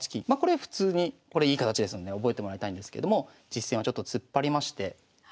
まあこれ普通にこれいい形ですので覚えてもらいたいんですけれども実戦はちょっと突っ張りまして。